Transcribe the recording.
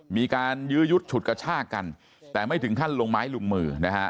มีการยื้อยุดฉุดกระชากกันแต่ไม่ถึงขั้นลงไม้ลงมือนะฮะ